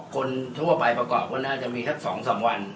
คนทั่วไปประกอบก็น่าจะมีสัก๒๓วัน